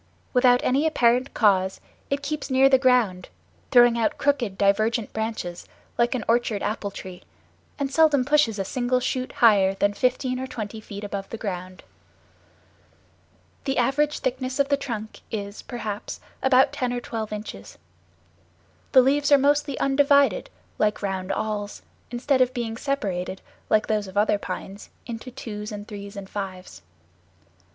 Without any apparent cause it keeps near the ground, throwing out crooked, divergent branches like an orchard apple tree, and seldom pushes a single shoot higher than fifteen or twenty feet above the ground. The average thickness of the trunk is, perhaps, about ten or twelve inches. The leaves are mostly undivided, like round awls, instead of being separated, like those of other pines, into twos and threes and fives.